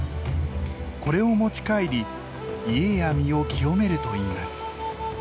これを持ち帰り家や身を清めるといいます。